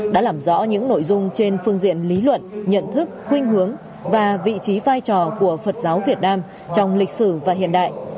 đã làm rõ những nội dung trên phương diện lý luận nhận thức khuyên hướng và vị trí vai trò của phật giáo việt nam trong lịch sử và hiện đại